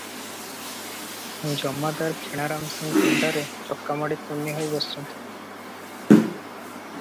ଜମାଦାର କିଣାରାମ ସିଂ ପିଣ୍ଡାରେ ଚକାମାଡ଼ି ତୁନି ହୋଇ ବସିଛନ୍ତି ।